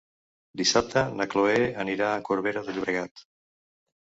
Dissabte na Chloé anirà a Corbera de Llobregat.